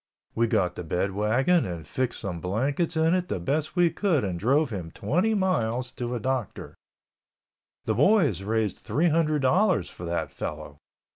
We got the bedwagon and fixed some blankets in it the best we could and drove him 20 miles to a doctor. The boys raised three hundred dollars for that fellow